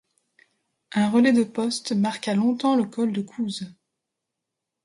Un relais de poste marqua longtemps le col de Couz.